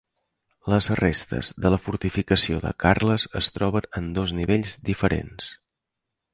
Les restes de la fortificació de Carles es troben en dos nivells diferents.